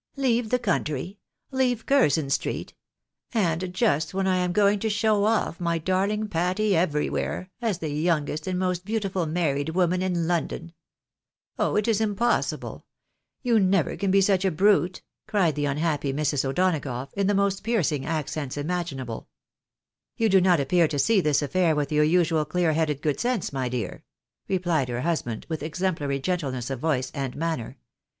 " Leave the country ? Leave Curzon street ? And just when I am going to show ofi" my darhng Patty everywhere, as the youngest and most beautiful married woman in London ! Oh, it is impossible ! You never can be such a brute !" cried the unhappy Mrs. O'Donagough, in the most piercing accents imaginable. " You do not appear to see this affair with your usual clear headed good sense, my dear," replied her husband, with exemplary gentleness of voice and manner.